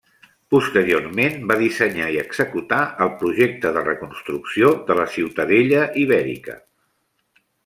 Posteriorment, va dissenyar i executar el projecte de reconstrucció de la Ciutadella Ibèrica.